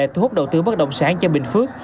thu hút đầu tư bất động sản cho bình phước